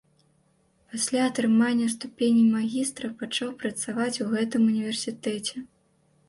Пасля атрымання ступені магістра пачаў працаваць у гэтым універсітэце.